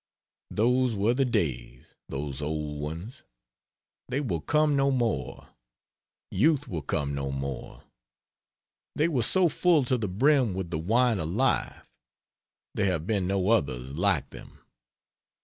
Those were the days! those old ones. They will come no more. Youth will come no more. They were so full to the brim with the wine of life; there have been no others like them.